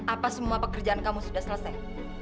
apa semua pekerjaan kamu sudah selesai